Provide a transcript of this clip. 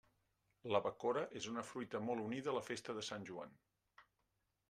La bacora és una fruita molt unida a la festa de Sant Joan.